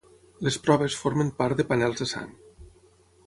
Les proves formen part de panels de sang.